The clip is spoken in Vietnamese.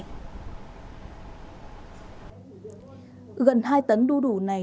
gần hai tấn đu đủ này đều là nguồn kinh phí của công an tỉnh đồng nai